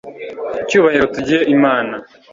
icyubahiro tugihe imana